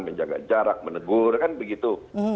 menjaga jarak menegur kan begitu